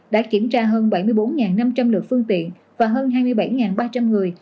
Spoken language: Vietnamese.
đã kiểm tra hơn bảy mươi bốn năm trăm linh lượt phương tiện và hơn hai mươi bảy ba trăm linh người